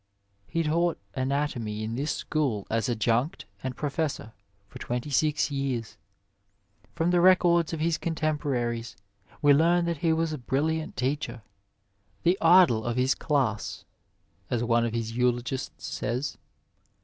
He taught anatomy in this school as adjunct and professor for twenty six years. From the records of his contem poraries we learn that he was a brilliant teacher, " the idol of his class," as one of his eulogists says.